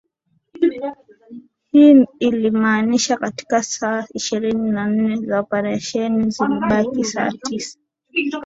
Hii ilimaanisha katika saa ishirini na nne za operesheni zilibaki saa tisa